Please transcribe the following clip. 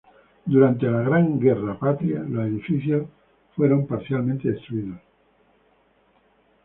Durante la Gran Guerra Patria los edificios fueron parcialmente destruidos.